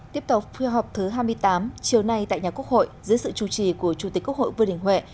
tiếp tục phiên họp thứ hai mươi tám chiều nay tại nhà quốc hội dưới sự chủ trì của chủ tịch quốc hội vương đình huệ